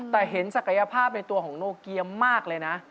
แต่เห็นศักยภาพในตัวของโนเกียมมากเลยนะ